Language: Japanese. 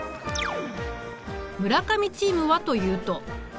村上チームはというと。